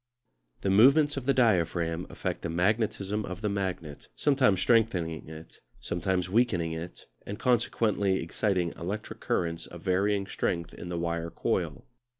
The movements of the diaphragm affect the magnetism of the magnet, sometimes strengthening it, sometimes weakening it, and consequently exciting electric currents of varying strength in the wire coil.